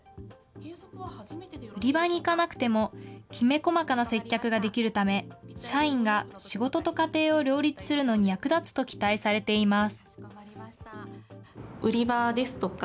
売り場に行かなくても、きめ細かな接客ができるため、社員が仕事と家庭を両立するのに役立つと期待されています。